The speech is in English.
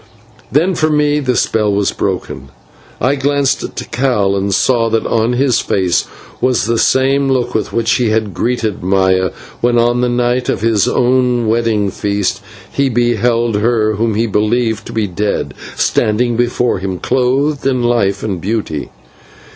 Then for me the spell was broken, and I glanced at Tikal and saw that on his face was that same look with which he had greeted Maya when, on the night of his own wedding feast, he beheld her whom he believed to be dead, standing before him clothed in life and beauty.